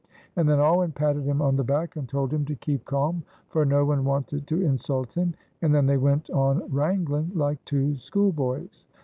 And then Alwyn patted him on the back and told him to keep calm, for no one wanted to insult him, and then they went on wrangling like two schoolboys.